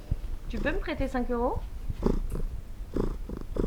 Tu peux me prêter cinq euros?